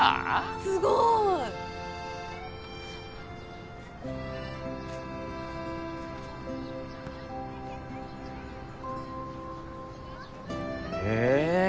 すごい！へえ。